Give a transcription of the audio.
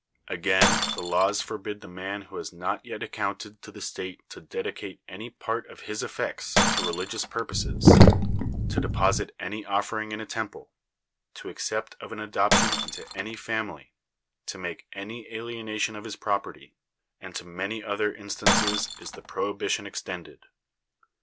A'jaiu, the laws forbid the man who lias not yet ;ieeoutited to the state to dedicate any pai't of his I'fYects to 1 {>:', THE WORLD'S FAMOUS ORATIONS religious purposes, to deposit any offering in a temple, to accept of an adoption into any family, to make any alienation of his property; and to many other instances is the prohibition extended.